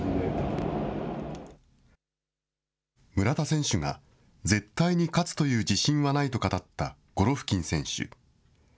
村田選手が絶対に勝つという自信はないと語ったゴロフキン選手。